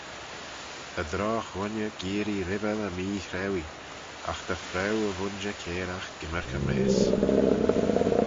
Ta drogh-ghooinney geearree ribbey ny mee-chrauee: agh ta fraue y vooinjer cairagh gymmyrkey mess.